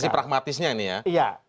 sisi pragmatisnya ini ya